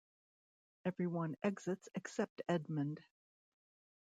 Everyone exits except Edmond.